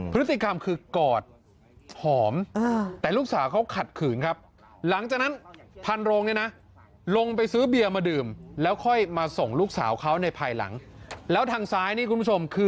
พฤติกรรมคือกอดหอมเอ้อแต่ลูกสาวเค้าขัดขื่นครับ